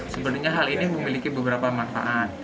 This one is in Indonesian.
sebenarnya hal ini memiliki beberapa manfaat